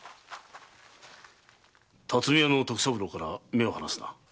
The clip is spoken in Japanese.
巽屋の徳三郎から目を離すな。